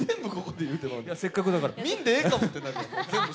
見んでええかもってなるよ。